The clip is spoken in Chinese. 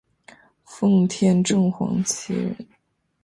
奉天正黄旗人。